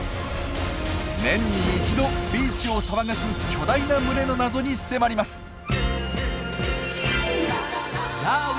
年に一度ビーチを騒がす巨大な群れの謎に迫ります！